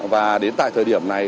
và đến tại thời điểm này